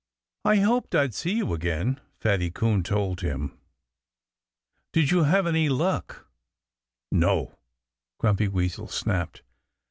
"I hoped I'd see you again," Fatty Coon told him. "Did you have any luck?" "No!" Grumpy Weasel snapped.